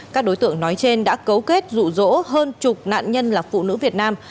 các đối tượng nói trên đã cấu kết rụ rỗ hơn chục nạn nhân là phụ nữ việt nam